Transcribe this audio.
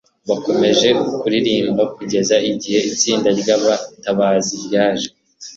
Bakomeje kuririmba kugeza igihe itsinda ryabatabazi ryaje.